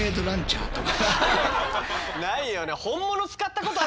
ないよね。